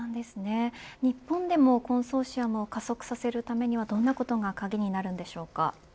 日本でもコンソーシアムを加速させるためにはどんなことが鍵になるでしょうか。